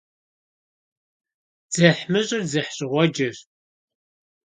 ДзыхьмыщӀыр дзыхьщӀыгъуэджэщ.